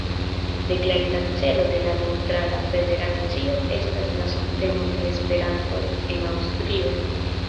Deklarita celo de la neŭtrala federacio estas la subteno de Esperanto en Aŭstrio.